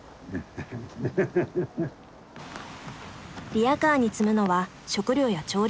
リヤカーに積むのは食料や調理器具。